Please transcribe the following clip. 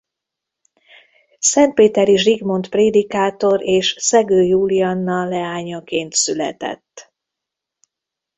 Szentpétery Zsigmond prédikátor és Szegő Julianna leányaként született.